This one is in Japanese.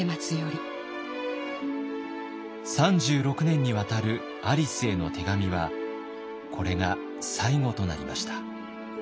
３６年にわたるアリスへの手紙はこれが最後となりました。